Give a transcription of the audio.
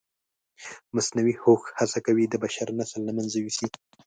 مصنوعي هوښ هڅه کوي د بشر نسل له منځه یوسي.